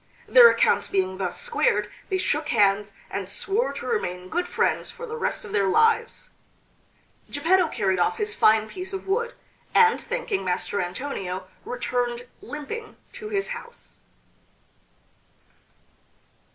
Their accounts being thus squared they shook hands, and swore to remain good friends for the rest of their lives. Geppetto carried off his fine piece of wood, and thanking Master Antonio returned limping to his house.